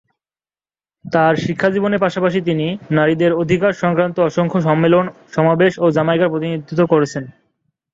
তার শিক্ষাজীবনের পাশাপাশি, তিনি নারীদের অধিকার সংক্রান্ত অসংখ্য সম্মেলন ও সমাবেশে জ্যামাইকার প্রতিনিধিত্ব করেছেন।